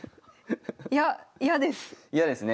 いや嫌です。